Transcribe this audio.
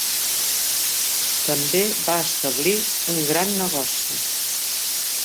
També va establir un gran negoci.